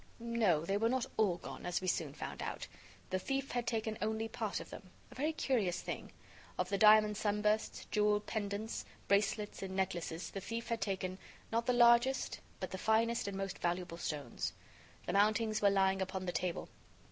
No, they were not all gone, as we soon found out. The thief had taken only part of them; a very curious thing. Of the diamond sunbursts, jeweled pendants, bracelets and necklaces, the thief had taken, not the largest but the finest and most valuable stones. The mountings were lying upon the table.